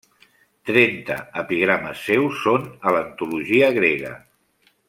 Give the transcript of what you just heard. Trenta epigrames seus són a l'antologia grega.